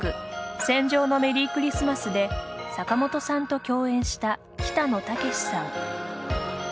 「戦場のメリークリスマス」で坂本さんと共演した北野武さん。